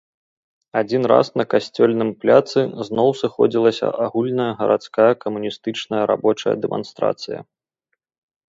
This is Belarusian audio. Адзін раз на касцельным пляцы зноў сыходзілася агульная гарадская камуністычная рабочая дэманстрацыя.